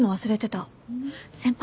先輩